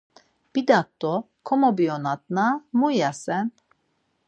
Bidat do komobiyonatna mu ivasen?